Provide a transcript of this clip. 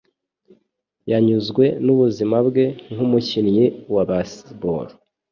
Yanyuzwe nubuzima bwe nkumukinnyi wa baseball.